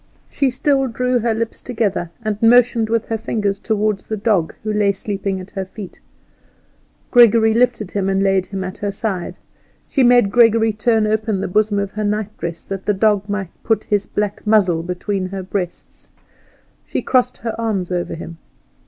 She still drew her lips together, and motioned with her fingers toward the dog who lay sleeping at her feet. Gregory lifted him and laid him at her side. She made Gregory turn open the bosom of her nightdress, that the dog might put his black muzzle between her breasts. She crossed her arms over him.